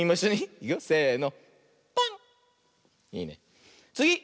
いくよせの。